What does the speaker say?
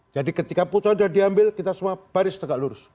jadi ketika putusan udah diambil kita semua baris tegak lurus